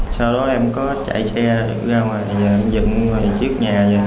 sau đó em có chạy xe ra ngoài dựng trước nhà